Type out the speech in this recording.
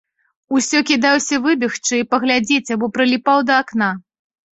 Усё кідаўся выбегчы і паглядзець або прыліпаў да акна.